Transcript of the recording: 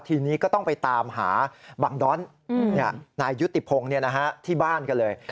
ทีนี้ก็ต้องไปตามหาบังดอนนายยุติพงศ์ที่บ้านกันเลย